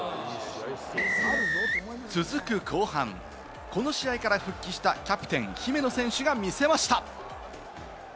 続く後半、この試合から復帰したキャプテン・姫野選手が見せました。